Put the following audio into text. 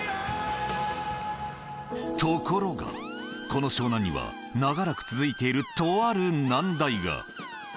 ところがこの湘南には長らく続いているとある難題が。